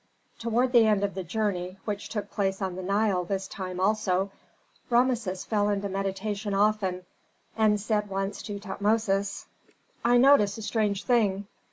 Toward the end of the journey, which took place on the Nile this time also, Rameses fell into meditation often, and said once to Tutmosis, "I notice a strange thing.